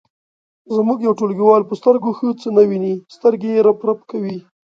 زموږ یو ټولګیوال په سترګو ښه څه نه ویني سترګې یې رپ رپ کوي.